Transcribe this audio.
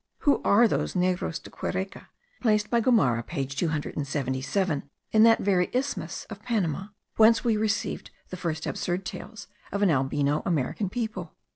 Who are those Negros de Quereca, placed by Gomara page 277, in that very isthmus of Panama, whence we received the first absurd tales of an albino American people?